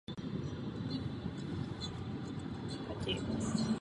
Mimo kulturu byl pedagogem.